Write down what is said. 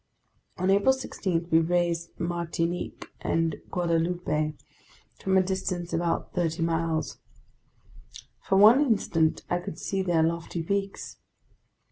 On April 16 we raised Martinique and Guadalupe from a distance of about thirty miles. For one instant I could see their lofty peaks.